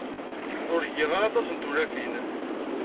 Ur giɣ ara aṭas n tewlafin.